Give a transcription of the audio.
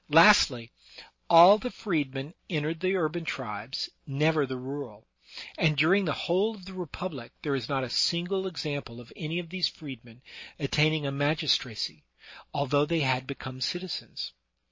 Lastly, all the freedmen entered the urban tribes, never the rural; and during the whole of the Republic there is not a single example of any of these freedmen attaining a magistracy, although they had be come citizens.